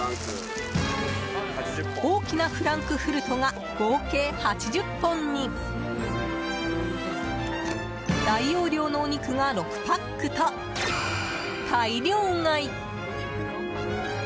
大きなフランクフルトが合計８０本に大容量のお肉が６パックと大量買い！